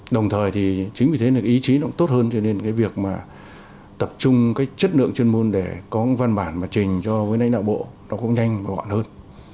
đồng thời chính vì thế ý chí tốt hơn cho nên việc tập trung chất lượng chuyên môn để có văn bản trình cho nãy đạo bộ cũng nhanh và gọn hơn